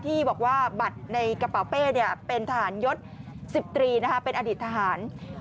ที่บอกว่าบัตรในกระเป๋าเป้เป็นทหารยศ๑๐ตรีเป็นอดีตทหาร